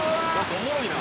「おもろいな」